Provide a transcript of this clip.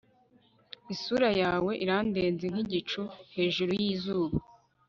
isura yawe irandenze nk'igicu hejuru y'izuba